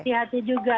si hati juga